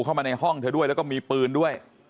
เข้ามาในห้องเธอด้วยแล้วก็มีปืนด้วย